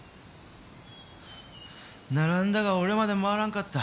並んだが俺まで回らんかった。